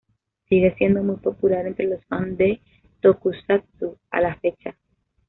Sigue siendo muy popular entre los fans de tokusatsu a la fecha.